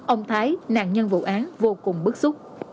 ông thái nạn nhân vụ án vô cùng bức xúc